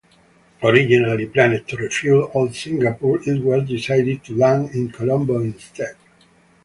Originally planned to refuel at Singapore, it was decided to land in Colombo instead.